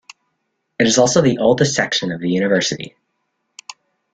It is also the oldest section of the university.